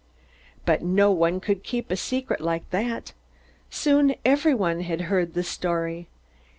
But no one could keep a secret like that. Soon everyone had heard the story.